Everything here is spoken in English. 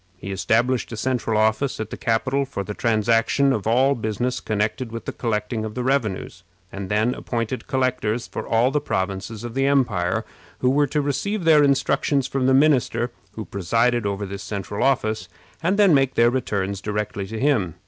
He established a central office at the capital for the transaction of all business connected with the collecting of the revenues, and then appointed collectors for all the provinces of the empire, who were to receive their instructions from the minister who presided over this central office, and make their returns directly to him.